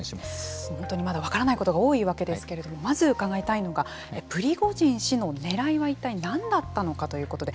本当にまだ分からないことが多いわけですけれどもまず伺いたいのがプリゴジン氏のねらいは一体何だったのかということで。